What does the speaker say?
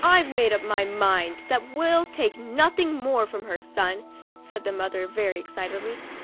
' I've made up my mind that we'll take nothing more from her, son," said the mother, very excitedly.